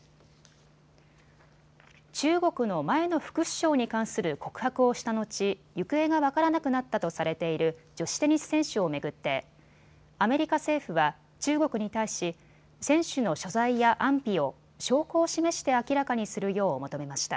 中国の前の副首相に関する告白をした後、行方が分からなくなったとされている女子テニス選手を巡ってアメリカ政府は中国に対し、選手の所在や安否を証拠を示して明らかにするよう求めました。